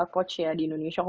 coach ya di indonesia